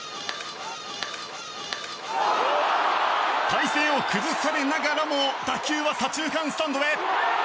体勢を崩されながらも打球は左中間スタンドへ。